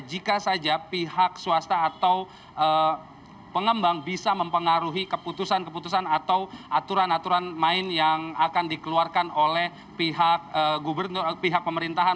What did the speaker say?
jika saja pihak swasta atau pengembang bisa mempengaruhi keputusan keputusan atau aturan aturan main yang akan dikeluarkan oleh pihak pemerintahan